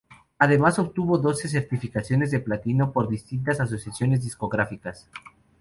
Además, obtuvo doce certificaciones de platino por distintas asociaciones discográficas.